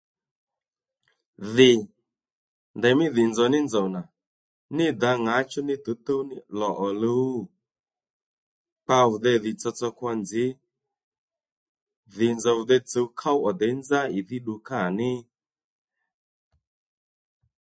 Dhì ndèymí dhì nzòw ní nzòw nà ní dǎ ŋǎchú nì tǔwtǔw ní lò òluw? Kpa vì dey dhì tsotso kwo nzǐ dhì nzòw dey tsǔw ków ò děy nzá ìdhí ddu kâ ní.